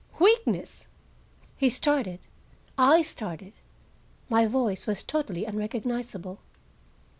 "Weakness!" He started; I started; my voice was totally unrecognizable.